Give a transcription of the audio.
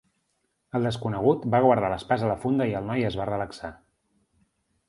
El desconegut va guardar l'espasa a la funda i el noi es va relaxar.